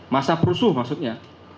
masa perusuh maksudnya